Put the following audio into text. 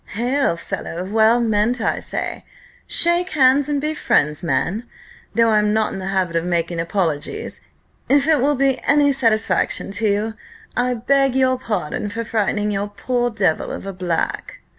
"Hail, fellow! well met! I say. Shake hands and be friends, man! Though I'm not in the habit of making apologies, if it will be any satisfaction to you, I beg your pardon for frightening your poor devil of a black."